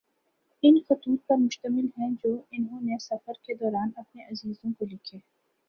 ان خطوط پر مشتمل ہیں جو انھوں نے سفر کے دوران اپنے عزیزوں کو لکھے